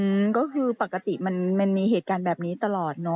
อืมก็คือปกติมันมันมีเหตุการณ์แบบนี้ตลอดเนอะ